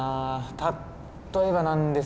例えばなんですけど。